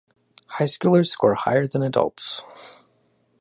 High schoolers score higher than adults.